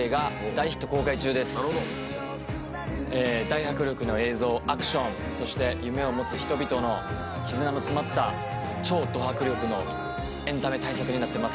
大迫力の映像アクションそして夢を持つ人々の絆の詰まった超ど迫力のエンタメ大作になってます。